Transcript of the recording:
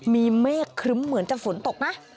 มีเมฆครึ้มเหมือนจะฝนตกนะ